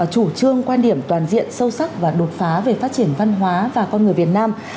chủ trương quan điểm toàn diện sâu sắc và đột phá về phát triển văn hóa và con người việt nam